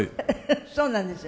そうなんですよ。